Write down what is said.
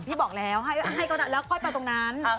พี่บอกแล้วแล้วค่อยไปตรงนั้น